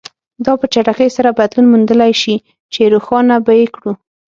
دا په چټکۍ سره بدلون موندلای شي چې روښانه به یې کړو.